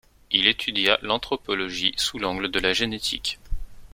Il étudia l'anthropologie sous l'angle de la génétique.